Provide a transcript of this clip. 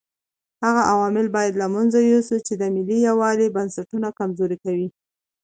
هغه عوامل باید له منځه یوسو چې د ملي یووالي بنسټونه کمزوري کوي.